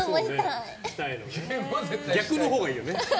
逆のほうがいいよね。